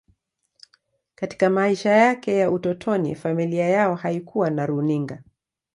Katika maisha yake ya utotoni, familia yao haikuwa na runinga.